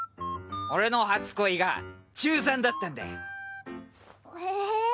俺の初恋が中３だったんだよ。へえ。